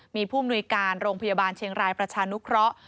มีผู้มนุยการโรงพยาบาลเชียงรายประชานุเคราะห์